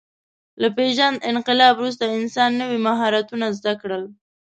له پېژاند انقلاب وروسته انسان نوي مهارتونه زده کړل.